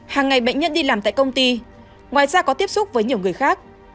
hàng ngày bệnh nhân đi làm tại công ty ngoài ra có tiếp xúc với nhiều người khác